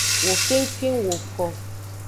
Wo kengkeng woko.